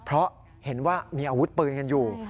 เพราะเห็นว่ามีอาวุธปืนกันอยู่